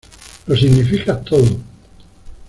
lo significas todo.